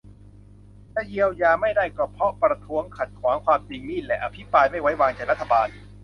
จะเยียวยาไม่ได้ก็เพราะประท้วงขัดขวางความจริงนี่แหละ อภิปรายไม่ใว้วางใจรัฐบาล